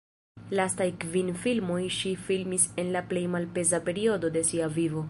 Lastaj kvin filmoj ŝi filmis en la plej malpeza periodo de sia vivo.